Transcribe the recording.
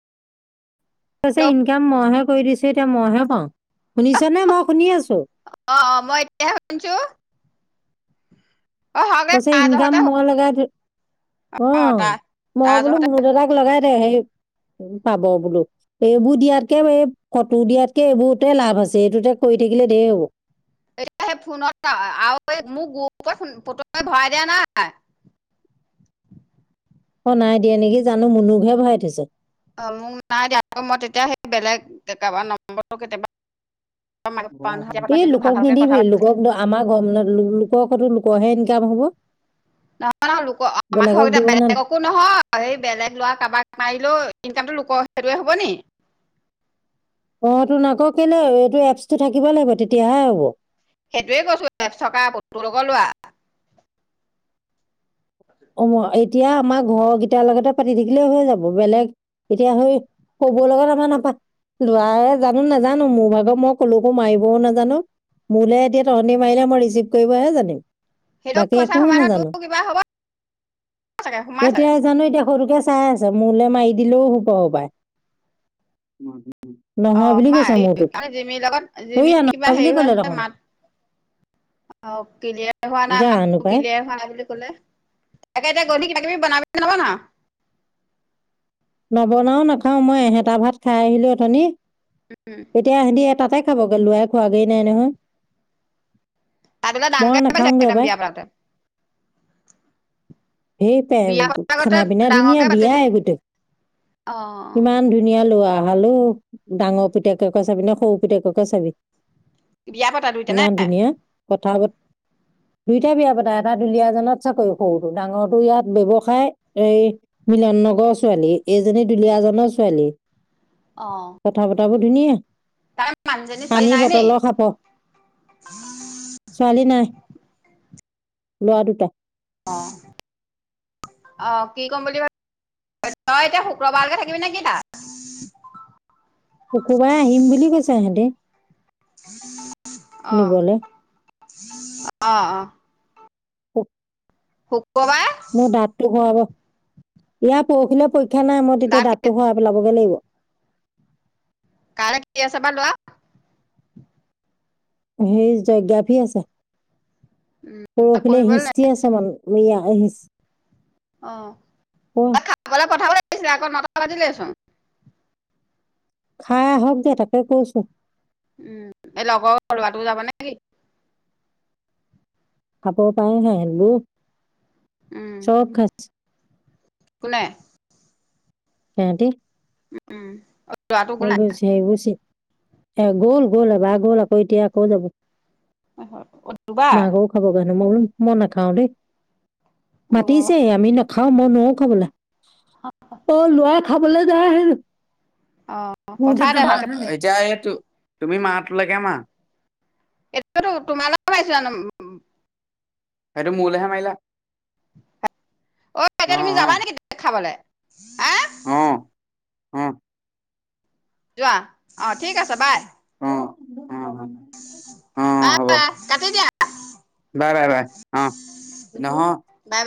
কৈছে hello income মইহে কৰি দিছো এতিয়া মইহে পাওঁ, শুনিছনে? মই শুনি আছো। অ' অ' মই এতিয়াহে শুনিছো। অ হয়গে কৈছে তাৰ ইনকাম জহতে অ মই লগাই, অ' তাৰ মই তাৰ বোলো জহতে মুনু দাদাক লগাই দে সেই পাব বোলো। এইবোৰ দিয়াতকে এই ফটো দিয়াতকে এইবোৰতে লাভ আছে, এইটোতে কৰি থাকিলে ধেই হ'ব। এতিয়া সেই ফোনত আৰু মোক গ্ৰুপ ফটো ভৰাই দিয়া নাই। অ' নাই দিয়া নেকি, জানো মুনুকহে ভৰাই থৈছে। অ মোক নাই দিয়া, আকৌ মই তেতিয়া সেই বেলেগ কাবাৰ নম্বৰটো কেতিয়াবা এই পাতিলো ভাল লোকক ভালকে কথা নিদিবি, পাতিলো লোকক আমাৰ ঘৰ লোকৰ ফটো লোকৰহে ইনকাম হব। নহয় নহয় লোকক আমাৰ ঘৰৰ বেলেগক কেইটাক দিব নাল বেলেগক একো নহয় সেই বেলেগ ল'ৰা কাৰোবাক মাৰিলোঁ, ইনকামটো লোকৰ সেইটোৱে হ'ব নেকি। অঁ টো ন কা কেলৈ এইটো এপচটো থাকিব লাগিব তেতিয়াহে হ'ব। সেইটোৱে কৈছোঁ এপছ থকা বটো লগৰ লোৱা। [inaudible] এতিয়া আমাৰ ঘৰৰ কেইটাৰ লগতে পাতি থাকিলে হৈ যাব, বেলেগ এতিয়া হৈ চবৰ লগত আমাৰ নাপা ল'ৰাহে জানো নাজানো মোৰ ভাগৰ মই কলৈকো মাৰিবও নাজানো। মূৰলৈ এতিয়া তহঁতে মাৰিলে মই ৰিচিভ কৰিবহে জানিম, সেইটো বাকী পইচা একো সোমাই নহয় তোৰ নাজানো। কিবা হব? চাগে সোমাই চাগে এতিয়া জানো এতিয়া সৰুকে চাই আছে মোলৈ মাৰি দিলেও হব এইবাৰ। অ মাৰ জিমিৰ লগত জিমি সইয়া কিবা নহয় বুলি হেৰি হৈ ক'লে আছে দেখোন মাত অঁ কিলিয়াৰ হোৱা নাই জানো মাতটো পাই কিলিয়াৰ হোৱা নাই বুলি কলে। তাকে এতিয়া গৈ পিনে কিবা কিবি বনাবি নে নবনাও। নবনাও নাখাও, মই এহেটা ভাত খাই আহিলো অথনি। উম। এতিয়া সিহঁতি এটাতে খাবগৈ লোৱাই খোৱাগৈ নাই নহয়। তাত এতিয়া মই ডাঙকে পাতিছে নাখাওঁগে একদম পাই বিয়া পতাটো। সেই পে বিয়া পতা আগতে খানা পিনা ধুনীয়া ডাঙৰকে পাতিছে, বিয়াই গোটেই অ। ইমান ধুনীয়া ল'ৰা হালোও, ডাঙৰ পিতেককে চাবি নে সৰু পিতেককে চাবি। বিয়া পতা দুইটা নে ইমান ধুনীয়া কথা বত দুইটা বিয়া পতা এটা দুলীয়াজত চাকৰি কৰে, সৰুটো ডাঙৰটো ইয়াত ব্যৱসায় এই মিলন নগৰৰ ছোৱালী, এইজনী দুলীয়াজনৰ ছোৱালী। অ কথা বতৰাবোৰ ধুনীয়া, তাৰ মানুহজনী ছোৱালী পানী নাই নি বটলৰ খাব ছোৱালী নাই, ল'ৰা দুটা। অঁ। অ, ' কি কম বুলি ভাব তই এতিয়া শুক্ৰবাৰলেকে থাকিবি নেকি তাত। শুকুৰবাৰে আহিম বুলি কৈছে ইহঁতি। অঁ নিবলে অ‌ অ। [inaudible] শুক্ৰবাৰে। মোৰ দাঁতটো শুৱাব ইয়াৰ পুৰহিলৈ পৰীক্ষা নাই মই তেতিয়া দাঁত দাঁতটো শুৰাই পেলাবলৈ লাগিব। কাইলে কি আছে বা ল'ৰাঅ? হেই যজ্ঞাফি আছে। উম তাক পূৰহিলৈ পঢ়িবলৈ নাই হিষ্টৰী আছে, এইয়া হিছ অঁ, খাবলৈ পঠাব লাগিছিলে আক, নটা বাজিলেই চোন। খাই আহক দে তাকে কৈছো। উম, এ লগৰ লোৰাটো যাব নে কি? খাপ পাই হে বোলো, উম চব খাইছে। কোনে? সহটি। অ'। বুজ স বুজি এ গ'ল, গ'ল এবাৰ গ'ল আকৌ এতিয়া আকৌ যাব। অ', দুবাৰ। মাকও খাব কাৰণে মই বোলো মই নখাও দেই। অ', মাতিছে আমি নাখাও মই নোৱাৰো খাবলে। অ' ল'ৰা খাবলৈ যায় হেনো? অ' মোৰতো পঠাই দে তুমাৰ ভালকে এতিয়া এইটো তুমি মাৰটো লেকে মাৰা। এইটোৱেট তোমাৰ লগত আহিছে জানো সেইতো মোলে হে মাৰিলা। অ' এতিয়া তুমি যাবা নেকি [unintelligible] খাবলে? অ', অ'। যোৱা অ' ঠিক আছে বাই। অ' উ', উ'। বাহ, বাহ কাটি দিয়া। বাই, বাই, বাই অ' নহ বাই বাই।